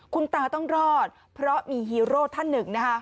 คุณตาต้องรอดเพราะมีฮีโร่ท่านหนึ่งนะคะ